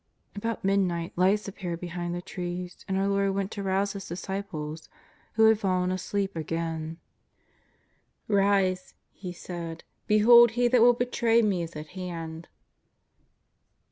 About midnight lights appeared behind the trees, and our Lord w^ent to rouse His disciples, who had fallen asleep again. 338 JESUS OF NAZAKETH. " Kise," He said, " behold, he that will betray Me is at hand."